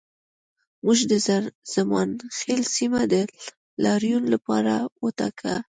موږ د زمانخیل سیمه د لاریون لپاره وټاکه